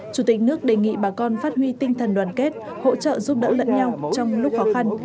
chủ tịch nước đề nghị bà con phát huy tinh thần đoàn kết hỗ trợ giúp đỡ lẫn nhau trong lúc khó khăn